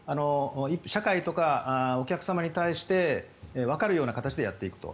社会とかお客様に対してわかるような形でやっていくと。